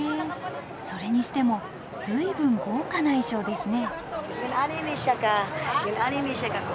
それにしても随分豪華な衣装ですね。